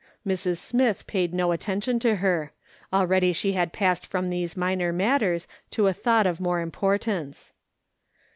Mrs. Smith paid no attention to her ; already she had passed from tliese minor matters to a thought of more importance.